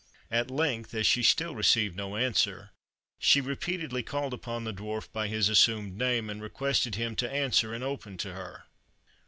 At length, as she still received no answer, she repeatedly called upon the Dwarf by his assumed name, and requested him to answer and open to her.